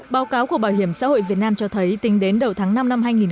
báo cáo của bảo hiểm xã hội việt nam cho thấy tính đến đầu tháng năm năm hai nghìn hai mươi